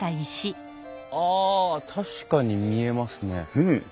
ああ確かに見えますね。